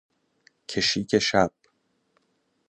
کشیک شب